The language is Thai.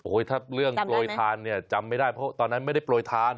ถ้าเรื่องโปรยทานเนี่ยจำไม่ได้เพราะตอนนั้นไม่ได้โปรยทาน